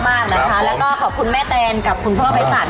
แล้วก็ขอบคุณแม่แตนกับคุณพ่อไพรสัตว์มากนะคะ